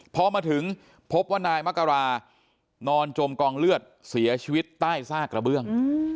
พอมาถึงพบว่านายมกรานอนจมกองเลือดเสียชีวิตใต้ซากกระเบื้อง